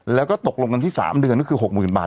แล้วก็ตกลงกันที่๓เดือนก็คือ๖๐๐๐บาท